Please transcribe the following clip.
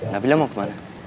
nabilah mau ke mana